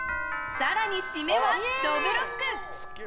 更に締めは、どぶろっく。